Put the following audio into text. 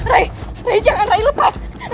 rai jangan rai lepas